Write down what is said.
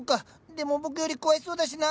でも僕より詳しそうだしな。